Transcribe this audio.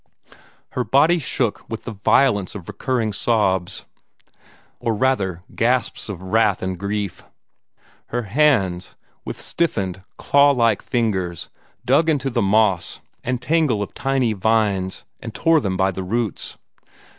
Her body shook with the violence of recurring sobs, or rather gasps of wrath and grief Her hands, with stiffened, claw like fingers, dug into the moss and tangle of tiny vines, and tore them by the roots.